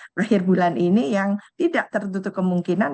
berakhir bulan ini yang tidak tertutup kemungkinan